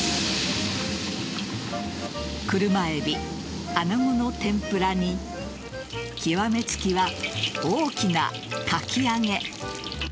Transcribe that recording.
車エビ、穴子の天ぷらに極め付きは、大きなかき揚げ。